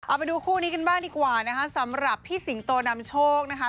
เอาไปดูคู่นี้กันบ้างดีกว่านะคะสำหรับพี่สิงโตนำโชคนะคะ